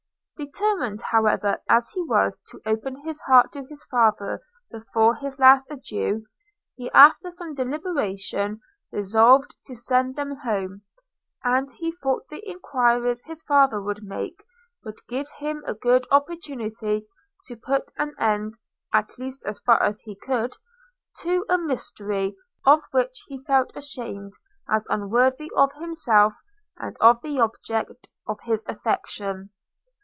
Determined however as he was to open his heart to his father before his last adieu, he, after some deliberation, resolved to send them home; and he thought the enquiries his father would make, would give him a good opportunity to put an end (at least as far as he could) to a mystery of which he felt ashamed, as unworthy of himself, and of the object of his affection.